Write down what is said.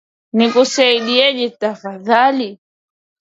Nikusaidieje tafadhali?